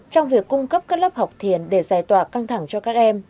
trong việc cung cấp các lớp học thiền để giải tỏa căng thẳng cho các em